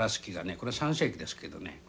これ３世紀ですけどね